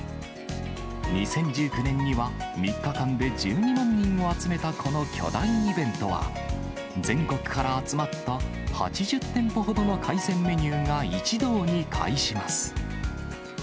２０１９年には、３日間で１２万人を集めたこの巨大イベントは、全国から集まった８０店舗ほどの海鮮メニューが一堂に会します。